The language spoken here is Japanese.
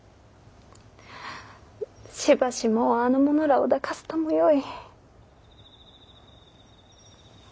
しばしもうあの者らを抱かずともよい。